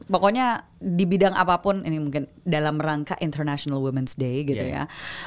pokoknya di bidang apapun ini mungkin dalam rangka international women s day gitu ya